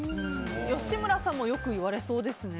吉村さんもよく言われそうですね。